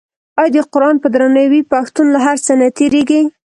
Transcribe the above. آیا د قران په درناوي پښتون له هر څه نه تیریږي؟